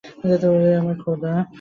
ওরে আমার খোদা!